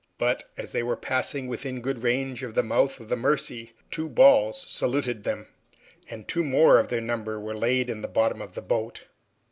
But, as they were passing within good range of the mouth of the Mercy, two balls saluted them, and two more of their number were laid in the bottom of the boat.